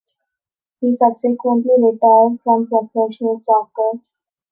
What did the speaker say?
He subsequently retired from professional soccer.